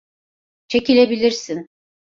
Çekilebilirsin.